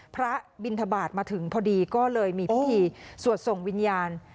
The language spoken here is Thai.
บินทบาทมาถึงพอดีก็เลยมีพิธีสวดส่งวิญญาณ